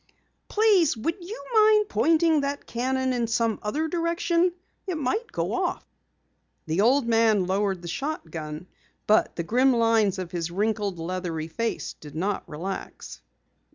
"Please, would you mind pointing that cannon in some other direction? It might go off." The old man lowered the shotgun, but the grim lines of his wrinkled, leathery face did not relax.